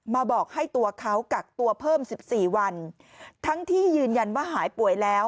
บอกให้ตัวเขากักตัวเพิ่มสิบสี่วันทั้งที่ยืนยันว่าหายป่วยแล้ว